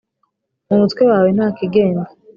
Mu mutwe wawe ntakigenda